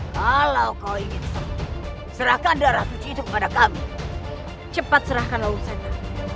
kalau kau ingin serahkan darah suci itu pada kami cepat serahkan lalu saya